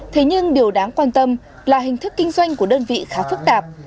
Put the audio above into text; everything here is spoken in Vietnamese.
thế nhưng điều đáng quan tâm là hình thức kinh doanh của đơn vị khá phức tạp